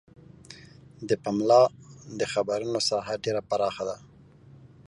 د پملا د خپرونو ساحه ډیره پراخه ده.